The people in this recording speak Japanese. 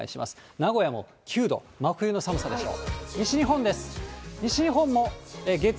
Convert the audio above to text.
名古屋も９度、真冬の寒さでしょう。